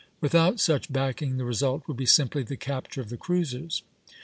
Without such backing the result will be simply the capture of the cruisers."